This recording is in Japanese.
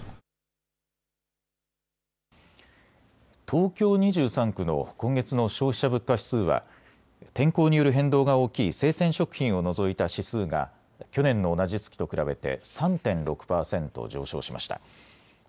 東京２３区の今月の消費者物価指数は天候による変動が大きい生鮮食品を除いた指数が去年の同じ月と比べて３．６％上昇しました。